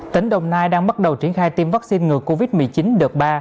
tỉnh đồng nai đang bắt đầu triển khai tiêm vaccine ngừa covid một mươi chín đợt ba